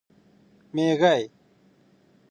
مېږی 🐜